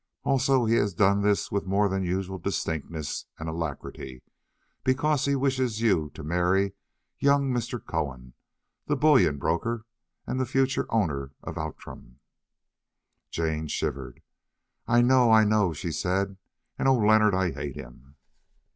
Also he has done this with more than usual distinctness and alacrity, because he wishes you to marry young Mr. Cohen, the bullion broker and the future owner of Outram." Jane shivered. "I know, I know," she said, "and oh! Leonard, I hate him!"